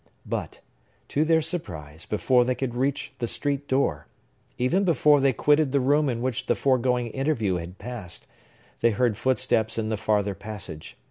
But, to their surprise, before they could reach the street door,—even before they quitted the room in which the foregoing interview had passed,—they heard footsteps in the farther passage.